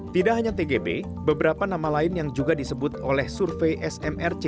tidak hanya tgb beberapa nama lain yang juga disebut oleh survei smrc